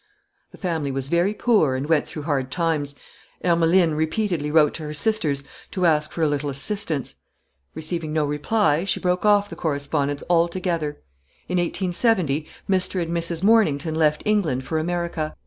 "The family was very poor and went through hard times. Ermeline repeatedly wrote to her sisters to ask for a little assistance. Receiving no reply, she broke off the correspondence altogether. In 1870 Mr. and Mrs. Mornington left England for America.